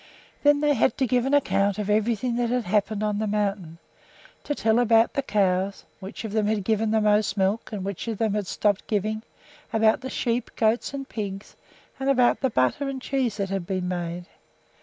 Then they had to give an account of everything that had happened on the mountain; to tell about the cows, which of them had given the most milk and which of them had stopped giving; about the sheep, goats, and pigs; and about the butter and cheese that had been made.